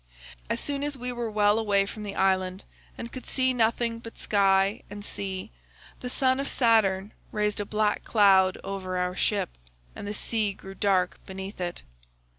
As soon as we were well away from the island, and could see nothing but sky and sea, the son of Saturn raised a black cloud over our ship, and the sea grew dark beneath it.